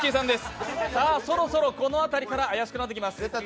そろそろこの辺りから怪しくなってきます。